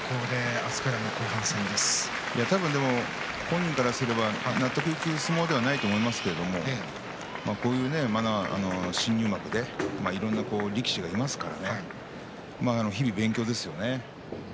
多分、本人からすれば納得のいく相撲ではないと思いますが新入幕でねいろいろな力士がいますから日々勉強ですよね。